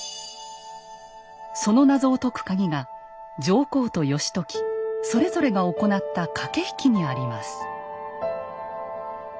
その謎を解くカギが上皇と義時それぞれが行った駆け引きにあります。